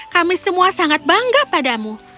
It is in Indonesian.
kami semua sangat bangga padamu